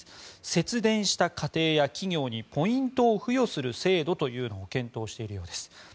節電した家庭や企業にポイントを付与する制度というのを検討しているようです。